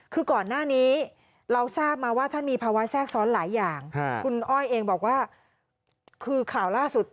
คือก่อนหน้านี้เราทราบมาว่าท่านมีภาวะแทรกซ้อนหลายอย่างคุณอ้อยเองบอกว่าคือข่าวล่าสุด